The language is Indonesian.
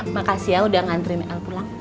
makasih ya udah ngantri pulang